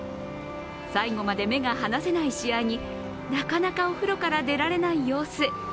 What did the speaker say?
最後まで目が離せない試合になかなかお風呂から出られない様子。